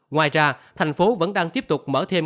ngoài ra thành phố vẫn đang tiếp tục mở thêm